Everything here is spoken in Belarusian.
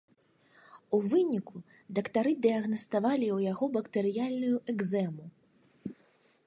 У выніку дактары дыягнаставалі ў яго бактэрыяльную экзэму.